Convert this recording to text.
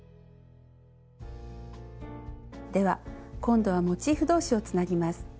では今度はモチーフ同士をつなぎます。